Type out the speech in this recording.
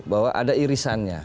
bahwa ada irisannya